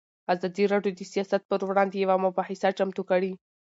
ازادي راډیو د سیاست پر وړاندې یوه مباحثه چمتو کړې.